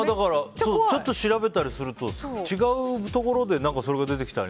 ちょっと調べたりすると違うところでそれが出てきたり。